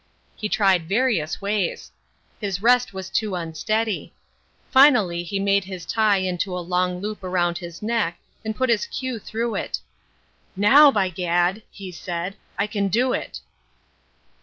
He tried various ways. His rest was too unsteady. Finally he made his tie into a long loop round his neck and put his cue through it. 'Now, by gad!' he said, 'I can do it.'"